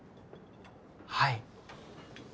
はい。